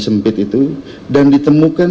sempit itu dan ditemukan